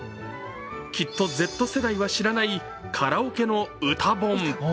きっとＺ世代は知らないカラオケの歌本。